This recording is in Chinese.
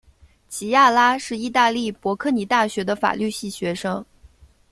琪亚拉是意大利博科尼大学的法律系学生。